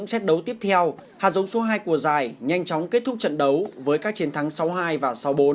hai cuộc dài nhanh chóng kết thúc trận đấu với các chiến thắng sáu hai và sáu bốn